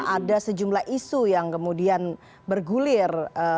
ada sejumlah isu yang kemudian bergulir